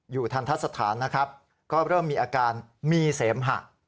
ทันทะสถานนะครับก็เริ่มมีอาการมีเสมหะ